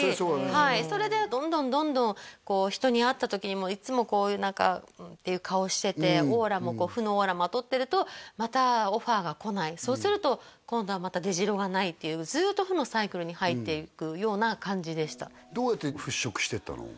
はいそれでどんどんどんどんこう人に会った時にもいつもこういう何かっていう顔しててオーラもこう負のオーラまとってるとまたオファーが来ないそうすると今度はまたでじろがないっていうずっと負のサイクルに入っていくような感じでしたどうやって払拭していったの？